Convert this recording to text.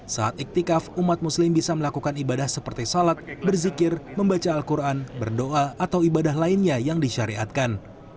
saat iktikaf umat muslim bisa melakukan ibadah seperti salat berzikir membaca al quran berdoa atau ibadah lainnya yang disyariatkan